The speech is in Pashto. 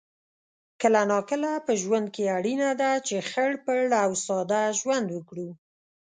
کله ناکله په ژوند کې اړینه ده چې خړ پړ او ساده ژوند وکړو